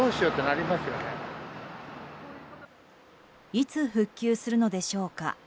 いつ復旧するのでしょうか。